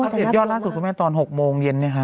ช่ายอย่างล่าสุดมาตอน๖โมงเย็นค่ะ